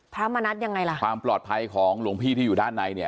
พระมณัฐยังไงล่ะความปลอดภัยของหลวงพี่ที่อยู่ด้านในเนี่ย